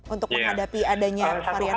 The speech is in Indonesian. untuk menghadapi adanya varian baru